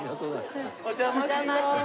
お邪魔します。